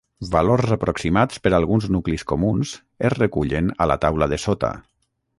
Valors aproximats per alguns nuclis comuns es recullen a la taula de sota.